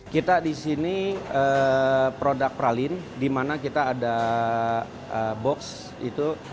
kita di sini produk pralin di mana kita ada box itu